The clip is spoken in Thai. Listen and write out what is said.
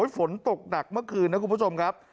ฝนตกหนักเมื่อคืนนะคุณผู้ชมครับ